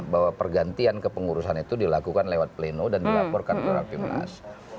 bahwa pergantian kepengurusan itu dilakukan lewat pleno dan dilaporkan ke rapimnas